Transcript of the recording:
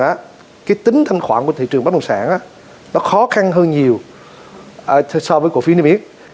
cái tính thanh khoản của thị trường bất đồng sản nó khó khăn hơn nhiều so với cổ phiến đi miết